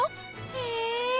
へえ。